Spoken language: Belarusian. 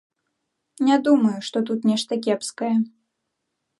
Не думаю, што тут нешта кепскае.